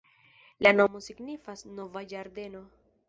La nomo signifas nova ĝardeno.